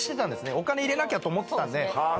お金入れなきゃと思ってたんではあ